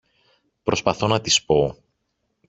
Προσπαθώ να της πω